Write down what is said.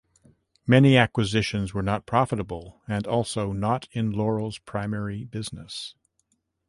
Many acquisitions were not profitable and also not in Loral's primary business.